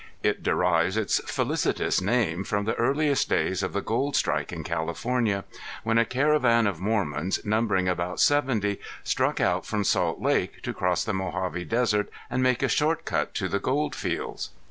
It derives its felicitous name from the earliest days of the gold strike in California, when a caravan of Mormons, numbering about seventy, struck out from Salt Lake, to cross the Mojave Desert and make a short cut to the gold fields.